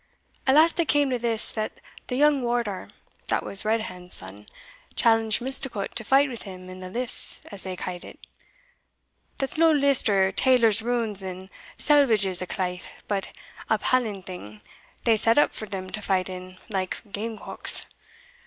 At last it came to this, that the young Wardour, that was Red hand's son, challenged Misticot to fight with him in the lists as they ca'd them that's no lists or tailor's runds and selvedges o' claith, but a palin' thing they set up for them to fight in like game cocks.